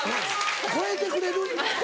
超えてくれる？